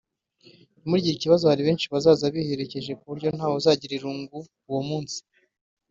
“ntimugire ikibazo hari benshi bazaza biherekeje ku buryo ntawe uzigunga kuri uwo munsi